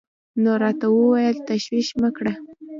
نو راته وويل تشويش مه کړه.